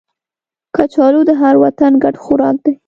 کچالو د هر وطن ګډ خوراک دی